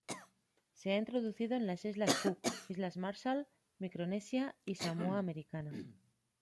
Se ha introducido en las islas Cook, islas Marshall, Micronesia y Samoa Americana.